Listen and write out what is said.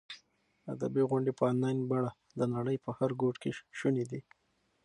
ادبي غونډې په انلاین بڼه د نړۍ په هر ګوټ کې شونې دي.